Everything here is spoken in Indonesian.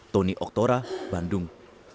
tony oktora bandung